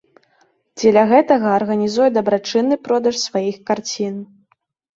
Дзеля гэтага арганізуе дабрачынны продаж сваіх карцін.